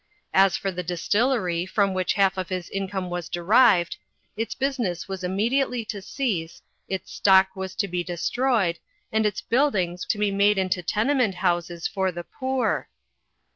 As for the distillery from which half of his income was derived, its business was imme diately to cease, its stock was to be destroyed, and its buildings to be made into tenement houses for the poor.